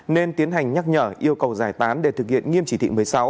nên tiến hành nhắc nhở yêu cầu giải tán để thực hiện nghiêm chỉ thị một mươi sáu